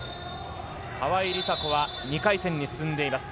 川井梨紗子は２回戦に進んでいます。